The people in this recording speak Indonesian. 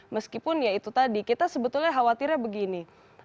meskipun ya itu tadi kita sebetulnya khawatirnya begini